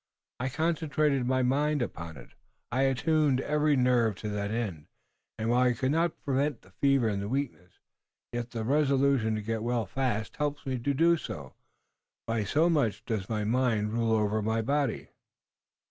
I concentrated my mind upon it, I attuned every nerve to that end, and while I could not prevent the fever and the weakness, yet the resolution to get well fast helps me to do so. By so much does my mind rule over my body."